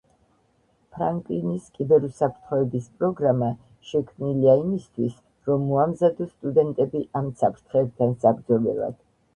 ფრანკლინის კიბერუსაფრთხოების პროგრამა შექმნილია იმისთვის, რომ მოამზადოს სტუდენტები ამ საფრთხეებთან საბრძოლველად